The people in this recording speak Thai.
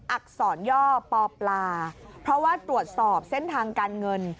อักษรย่อปอปลาเพราะว่าตรวจสอบเส้นทางการเงิน